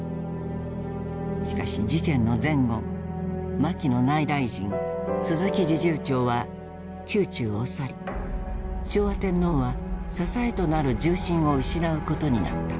しかし事件の前後牧野内大臣鈴木侍従長は宮中を去り昭和天皇は支えとなる重臣を失うことになった。